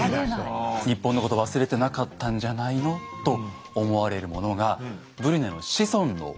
日本のことを忘れてなかったんじゃないのと思われるものがブリュネの子孫のおうちに残っているんです。